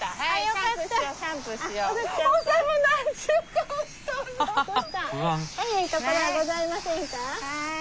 かゆいところはございませんか？